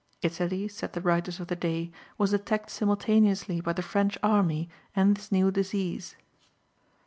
Italy, said the writers of the day, was attacked simultaneously by the French army and this new disease.